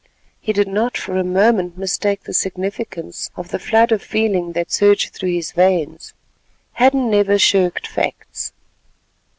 He did not for a moment mistake the significance of the flood of feeling that surged through his veins. Hadden never shirked facts.